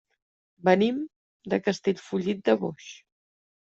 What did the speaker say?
Venim de Castellfollit del Boix.